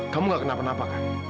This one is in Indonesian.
kamu nggak kenapa napa kak